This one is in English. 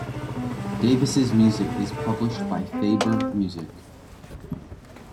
Davis's music is published by Faber Music.